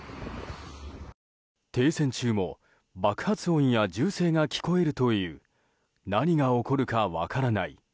停戦中も爆発音や銃声が聞こえるという何が起こるか分からない